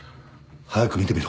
早く見てみろ。